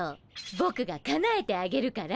ぼくがかなえてあげるから。